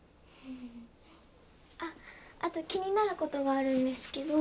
あっあと気になることがあるんですけど。